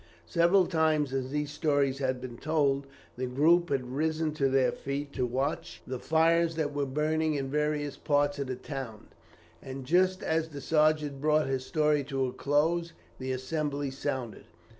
Several times as these stories had been told, the group had risen to their feet to watch the fires that were burning in various parts of the town, and just as the sergeant brought his story to a close, the assembly sounded.